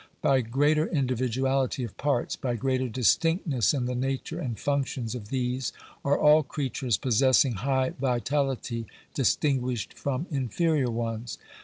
By greater individuality of parts — by greater distinctness in the nature and functions of these, are all creatures possessing high vitality distinguished from inferior ones.